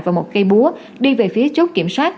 và một cây búa đi về phía chốt kiểm soát